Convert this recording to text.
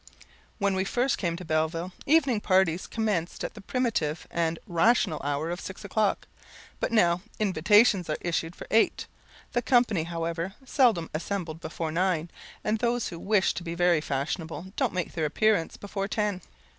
When we first came to Belleville, evening parties commenced at the primitive and rational hour of six o'clock, but now invitations are issued for eight; the company, however, seldom assemble before nine, and those who wish to be very fashionable don't make their appearance before ten.